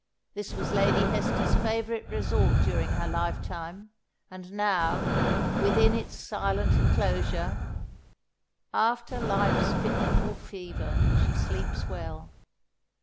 This was Lady Hester's favourite resort during her life time, and now, within its silent enclosure, "'After life's fitful fever she sleeps well.'"